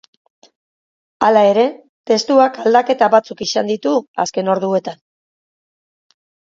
Hala ere, testuak aldaketa batzuk izan ditu azken orduetan.